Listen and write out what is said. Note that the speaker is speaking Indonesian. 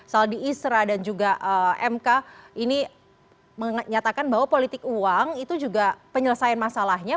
saldi isra dan juga mk ini menyatakan bahwa politik uang itu juga penyelesaian masalahnya